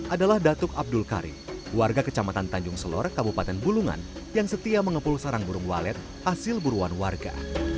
adalah datuk abdul kari warga kecamatan tanjung selor kabupaten bulungan yang setia mengepul sarang burung walet hasil buruan warga